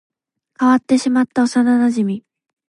変わってしまった幼馴染